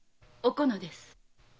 「おこの」です。